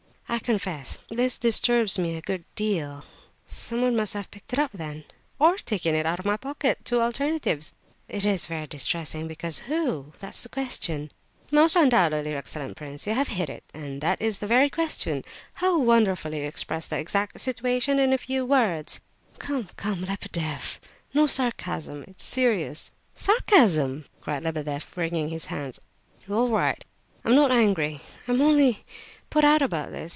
"I confess this disturbs me a good deal. Someone must have picked it up, then." "Or taken it out of my pocket—two alternatives." "It is very distressing, because who—? That's the question!" "Most undoubtedly, excellent prince, you have hit it—that is the very question. How wonderfully you express the exact situation in a few words!" "Come, come, Lebedeff, no sarcasm! It's a serious—" "Sarcasm!" cried Lebedeff, wringing his hands. "All right, all right, I'm not angry. I'm only put out about this.